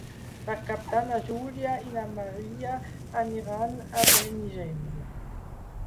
Per Cap d'Any na Júlia i na Maria aniran a Benigembla.